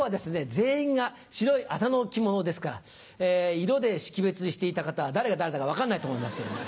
全員が白い麻の着物ですから色で識別していた方は誰が誰だか分かんないと思いますけども。